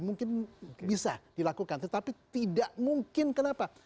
mungkin bisa dilakukan tetapi tidak mungkin kenapa